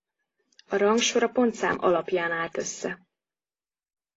A rangsor a pontszám alapján állt össze.